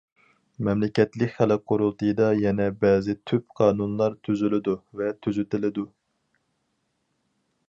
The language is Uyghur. مەملىكەتلىك خەلق قۇرۇلتىيىدا يەنە بەزى تۈپ قانۇنلار تۈزىلىدۇ ۋە تۈزىتىلىدۇ.